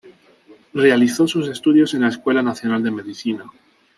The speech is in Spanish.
Realizó sus estudios en la Escuela Nacional de Medicina.